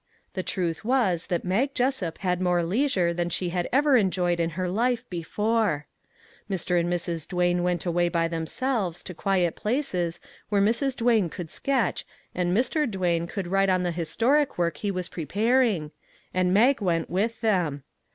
The truth was that Mag Jessup had more leisure than she had ever enjoyed in her life before. Mr. and Mrs. Duane went away by themselves to quiet places where Mrs. Duane could sketch and Mr. Duane could write on the historic work he was preparing, and Mag went with them.